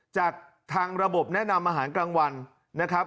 จากทางระบบแนะนำอาหารกลางวันนะครับ